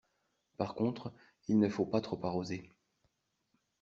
Par contre, il ne faut pas trop arroser.